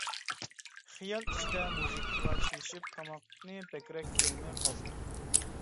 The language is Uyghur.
خىيال ئىچىدە مۇزىكىغا چىلىشىپ تاماقنى بەكرەك يېيەلمەي قالدىم.